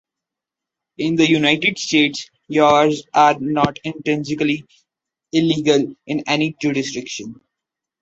In the United States, yawaras are not intrinsically illegal in any jurisdiction.